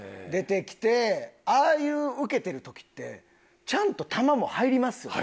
ああいうウケてる時ってちゃんと球も入りますよね？